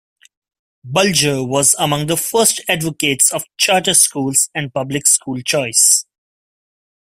Bulger was among the first advocates of charter schools and public school choice.